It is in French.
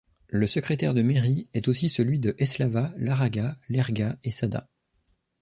Le secrétaire de mairie est aussi celui de Eslava, Larraga, Lerga et Sada.